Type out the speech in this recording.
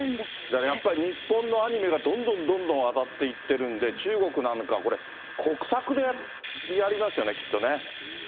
だからやっぱり日本のアニメがどんどんどんどん当たっていってるんで、中国なんかこれ、国策でやりますよね、きっとね。